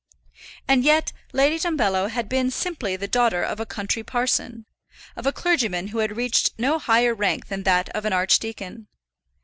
And yet Lady Dumbello had been simply the daughter of a country parson, of a clergyman who had reached no higher rank than that of an archdeacon.